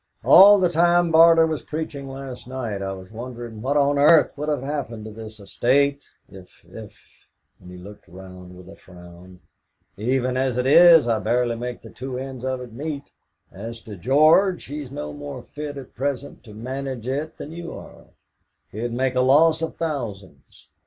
All the time Barter was preaching last night I was wondering what on earth would have happened to this estate if if " And he looked round with a frown. "Even as it is, I barely make the two ends of it meet. As to George, he's no more fit at present to manage it than you are; he'd make a loss of thousands."